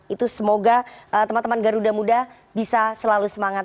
itu semoga teman teman garuda muda bisa selalu semangat